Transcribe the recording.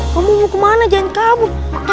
kamu mau kemana jalan kamu